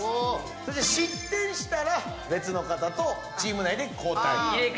そして失点したら別の方とチーム内で交代。